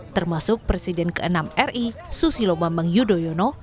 termasuk presiden ke enam ri susilo bambang yudhoyono